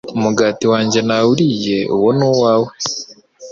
Umugati wanjye nawuriye uwo ni uwawe